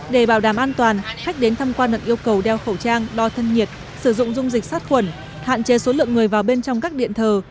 để bảo đảm an toàn khách đến thăm quan được yêu cầu đeo khẩu trang đo thân nhiệt sử dụng dung dịch sát khuẩn hạn chế số lượng người vào bên trong các điện thờ